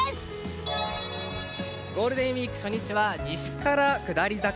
ゴールデンウィーク初日は西から下り坂。